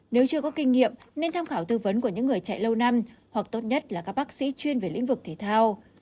nếu chưa có kinh nghiệm nên tham khảo tư vấn của những người chạy lâu năm hoặc tốt nhất là các bác sĩ chuyên về lĩnh vực thể thao